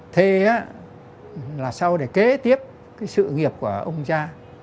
thế là sau để kế tiếp cái sự nghiệp của ông cha